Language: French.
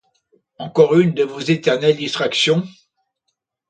Encore une de vos éternelles distractions?